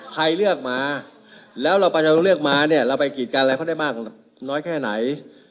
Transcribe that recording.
ใครเลือกมาแล้วเรากำลังจะต้องเลือกมาเนี่ยเราไปกีดกันอะไรเขาได้มากน้อยแค่ไหน